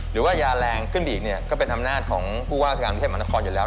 หรือว่ายาแรงขึ้นบีกก็เป็นธรรมนาฏของผู้ว่าของกรุงเทพมหานครอยู่แล้ว